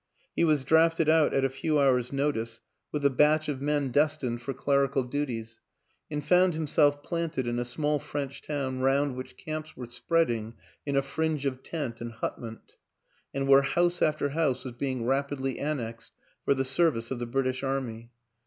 He was drafted out, at a few hours' notice, with a WILLIAM AN ENGLISHMAN 245 batch of men destined for clerical duties, and found himself planted in a small French town round which camps were spreading in a fringe of tent and hutment, and where house after house was being rapidly annexed for the service of the British Army.